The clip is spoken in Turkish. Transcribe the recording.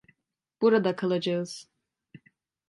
Burada kalacağız.